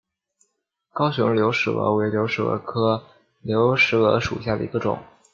高雄流石蛾为流石蛾科流石蛾属下的一个种。